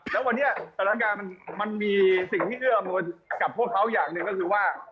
แล้ววันนี้มันมีสิ่งที่เอื้อมกับพวกเขาอย่างหนึ่งก็คือว่า